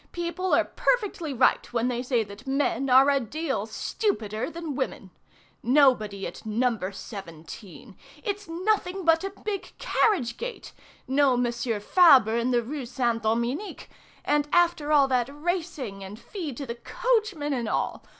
People are perfectly right when they say that men are a deal stupider than women! Nobody at No. 17. It's nothing but a big carriage gate! No Monsieur Fabre in the Rue Saint Dominique! And after all that racing and fee to the coachman and all!